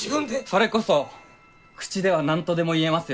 それこそ口では何とでも言えますよ。